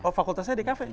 oh fakultasnya dkv